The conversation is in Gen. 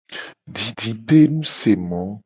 Didipenusemo.